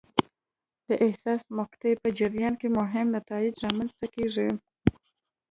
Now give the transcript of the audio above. د حساسې مقطعې په جریان کې مهم نتایج رامنځته کېږي.